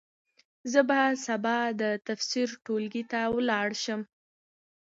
زه به سبا د تفسیر ټولګي ته ولاړ شم.